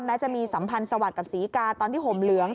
แม้จะมีสัมพันธ์สวัสดิ์กับศรีกาตอนที่ห่มเหลือง